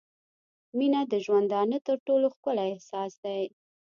• مینه د ژوندانه تر ټولو ښکلی احساس دی.